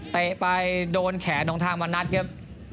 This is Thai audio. เตะไปโดนแขนทางมณัดครับ